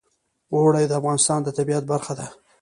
اوړي د افغانستان د طبیعت برخه ده.